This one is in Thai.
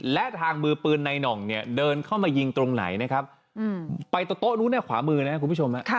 และทางมือปืนในหน่องเนี่ยเดินเข้ามายิงตรงไหนนะครับไปโต๊ะนู้นเนี่ยขวามือนะครับคุณผู้ชม